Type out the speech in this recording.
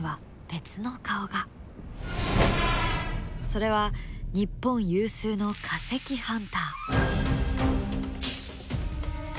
それは日本有数の化石ハンター。